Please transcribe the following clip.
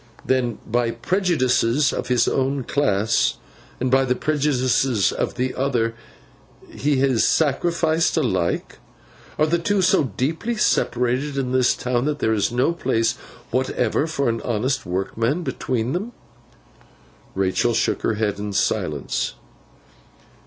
'Then, by the prejudices of his own class, and by the prejudices of the other, he is sacrificed alike? Are the two so deeply separated in this town, that there is no place whatever for an honest workman between them?' Rachael shook her head in silence.